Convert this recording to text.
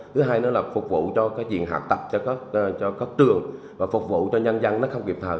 thứ hai là phục vụ cho các viện học tập cho các trường và phục vụ cho nhân dân không kịp thờ